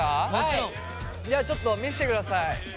じゃあちょっと見せてください。